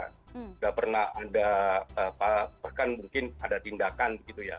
tidak pernah ada bahkan mungkin ada tindakan